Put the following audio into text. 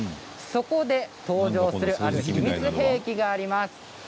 そこで登場するある秘密兵器があります。